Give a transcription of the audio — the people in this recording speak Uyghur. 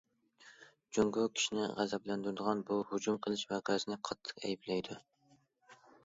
جۇڭگو كىشىنى غەزەپلەندۈرىدىغان بۇ ھۇجۇم قىلىش ۋەقەسىنى قاتتىق ئەيىبلەيدۇ.